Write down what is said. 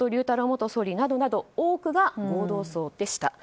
元総理などなど多くが合同葬でした。